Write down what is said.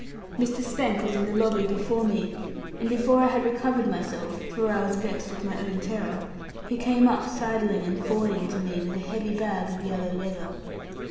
Mr. Spank was in the lobby before me, and before I had recovered myself for I was vexed with my own terror he came up sidling and fawning to me, with a heavy bag of yellow leather.